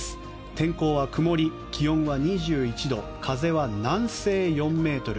天候は曇り、気温は２１度風は南西４メートル。